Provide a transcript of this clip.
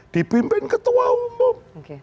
dipimpin ketua umum